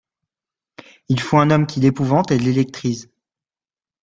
Il faut un homme qui l'épouvante et l'électrise.